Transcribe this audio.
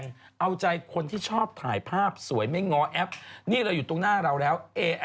ราคาพิเศษแล้ว